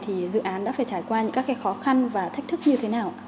thì dự án đã phải trải qua những các cái khó khăn và thách thức như thế nào